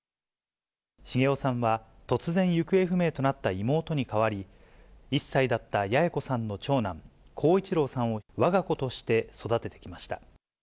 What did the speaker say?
繁雄さんは、突然、行方不明となった妹に代わり、１歳だった八重子さんの長男、耕一郎さんをわが子として育ててきました。